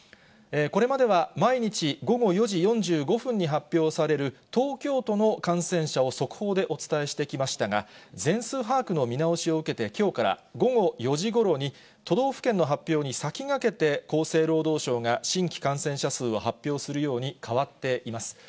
これまでは、毎日午後４時４５分に発表される、東京都の感染者を速報でお伝えしてきましたが、全数把握の見直しを受けて、きょうから、午後４時ごろに、都道府県の発表に先駆けて、厚生労働省が新規感染者数を発表するように変わっています。